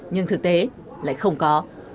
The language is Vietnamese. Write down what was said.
nhưng thực tế lại không có